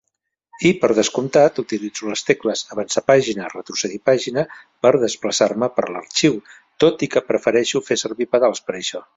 I, per descomptat, utilitzo les tecles Av pàg i Re pàg per desplaçar-me pel arxiu, tot i que prefereixo fer servir pedals per això.